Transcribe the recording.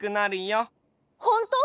ほんとう？